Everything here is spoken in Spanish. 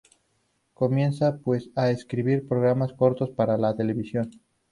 Comienza pues a escribir programas cortos para la televisión.